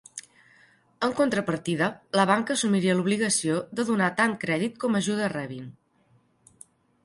En contrapartida la banca assumiria l'obligació de donar tant crèdit com ajudes rebin.